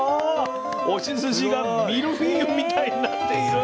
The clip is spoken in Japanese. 押しずしがミルフィーユみたいになっている。